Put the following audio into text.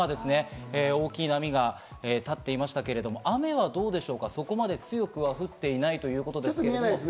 大きな波が立っていましたけど、雨はどうでしょうか、そこまで強くは降っていないということです。